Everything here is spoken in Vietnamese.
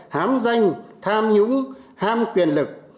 hám danh tham nhũng ham quyền lực